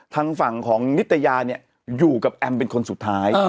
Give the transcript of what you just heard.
ทางฝั่งของนิตยาเนี่ยอยู่กับแอมเป็นคนสุดท้าย